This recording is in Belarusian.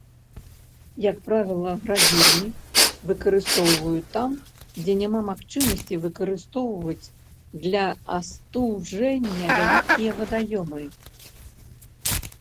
Як правіла, градзірні выкарыстоўваюць там, дзе няма магчымасці выкарыстоўваць для астуджэння вялікія вадаёмы.